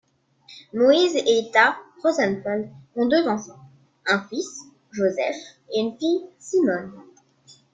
Moïse et Etha Rosenfeld ont deux enfants: un fils, Joseph et une fille, Simone.